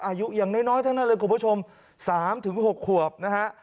อายุอย่างน้อยทั้งนั้นเลยคุณผู้ชม๓๖ขวบนะฮะ